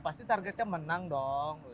pasti targetnya menang dong